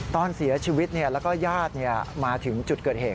ตอนเสียชีวิตแล้วก็ญาติมาถึงจุดเกิดเหตุ